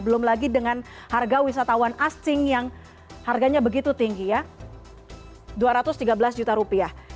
belum lagi dengan harga wisatawan ascing yang harganya begitu tinggi ya rp dua ratus tiga belas